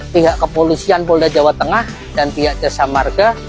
pihak kepolisian polda jawa tengah dan pihak jasa marga